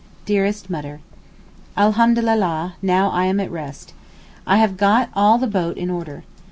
DEAREST MUTTER, Alhamdulillah—now I am at rest. I have got all the boat in order.